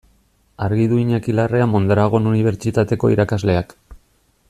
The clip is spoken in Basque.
Argi du Iñaki Larrea Mondragon Unibertsitateko irakasleak.